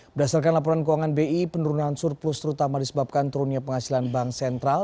berdasarkan laporan keuangan bi penurunan surplus terutama disebabkan turunnya penghasilan bank sentral